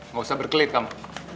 gak usah berkelit kamu